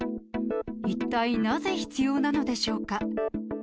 一体なぜ必要なのでしょうか。